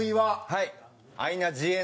はい。